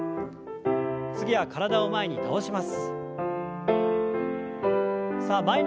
体を前に倒します。